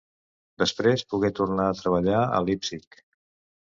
Després pogué tornar a treballar a Leipzig.